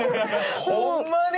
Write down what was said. ホンマに？